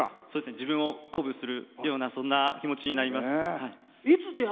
自分を鼓舞するそんな気持ちになります。